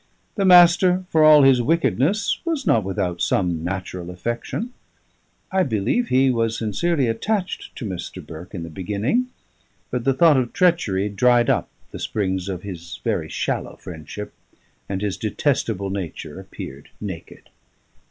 The Master, for all his wickedness, was not without some natural affection; I believe he was sincerely attached to Mr. Burke in the beginning; but the thought of treachery dried up the springs of his very shallow friendship, and his detestable nature appeared naked.